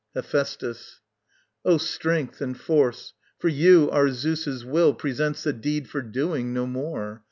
Hephæstus. O Strength and Force, for you, our Zeus's will Presents a deed for doing, no more!